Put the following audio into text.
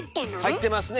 入ってますね